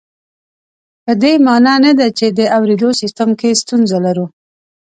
په دې مانا نه ده چې د اورېدو سیستم کې ستونزه لرو